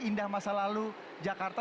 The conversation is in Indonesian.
indah masa lalu jakarta